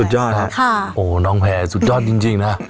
สุดยอดครับค่ะโอ้โฮน้องแผ่สุดยอดจริงนะ